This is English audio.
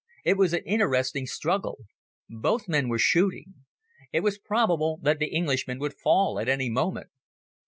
It was an interesting struggle. Both men were shooting. It was probable that the Englishman would fall at any moment.